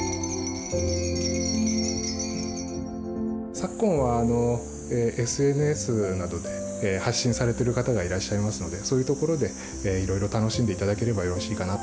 昨今はＳＮＳなどで発信されている方がいらっしゃいますのでそういうところでいろいろ楽しんでいただければよろしいかなと。